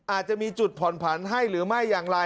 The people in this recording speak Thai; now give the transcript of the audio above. อาจจะมีจุดผ่อนผันให้หรือไม่อย่างไร